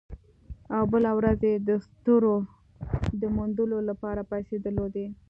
او بله ورځ یې د ستورو د موندلو لپاره پیسې درلودې